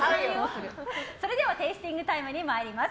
それではテイスティングタイム参ります。